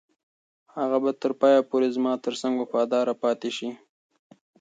هغه به تر پایه پورې زما تر څنګ وفاداره پاتې شي.